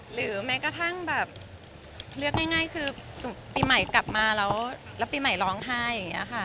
หรือแม้กระทั่งเลือกง่ายคือปีใหม่กลับมาแล้วปีใหม่ร้องไห้